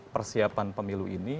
persiapan pemilu ini